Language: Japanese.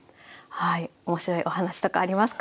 面白いお話とかありますか？